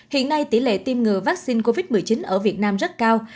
hiện nay tỷ lệ tiêm ngừa vaccine covid một mươi chín ở việt nam rất cao